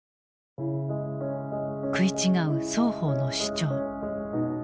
食い違う双方の主張。